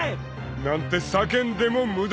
［なんて叫んでも無駄］